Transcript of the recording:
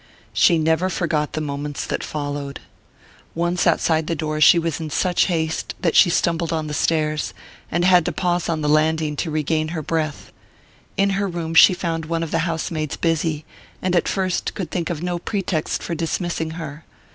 She never forgot the moments that followed. Once outside the door she was in such haste that she stumbled on the stairs, and had to pause on the landing to regain her breath. In her room she found one of the housemaids busy, and at first could think of no pretext for dismissing her.